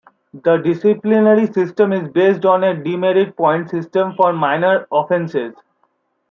The disciplinary system is based on a demerit points system for minor offences.